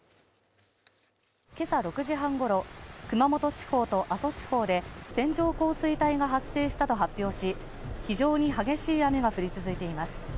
今朝６時半ごろ熊本地方と阿蘇地方で線状降水帯が発生したと発表し、非常に激しい雨が降り続いています。